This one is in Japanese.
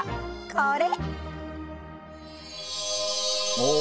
これ。